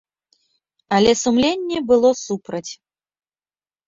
Але сумленне было супраць.